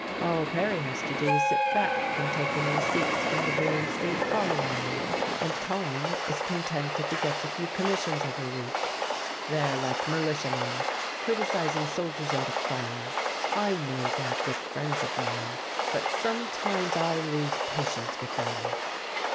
All Perry has to do is to sit back and take in receipts from the Boyne Street car line, and Tom is content if he gets a few commissions every week. They're like militiamen criticizing soldiers under fire. I know they're good friends of mine, but sometimes I lose patience with them."